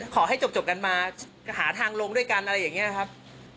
ขอให้จบกันมาหาทางลงด้วยกันอะไรอย่างนี้ครับ